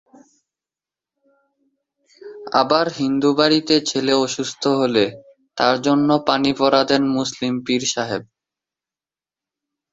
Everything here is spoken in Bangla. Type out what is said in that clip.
আবার হিন্দু বাড়িতে ছেলে অসুস্থ হলে তার জন্য পানি পড়া দেন মুসলিম পীর সাহেব।